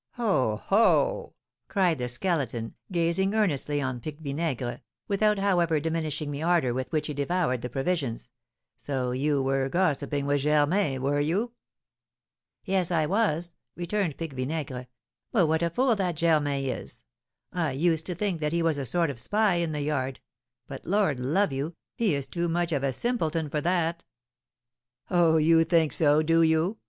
"Ho, ho!" cried the Skeleton, gazing earnestly on Pique Vinaigre, without, however, diminishing the ardour with which he devoured the provisions; "so you were gossiping with Germain, were you?" "Yes, I was," returned Pique Vinaigre. "But what a fool that Germain is! I used to think that he was a sort of spy in the yard; but, Lord love you, he is too much of a simpleton for that!" "Oh, you think so, do you?"